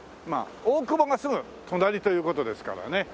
大久保がすぐ隣という事ですからね。